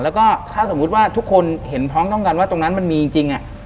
แล้วก็ถ้าสมมุติว่าทุกคนเห็นพร้อมต้องกันว่าตรงนั้นมันมีจริง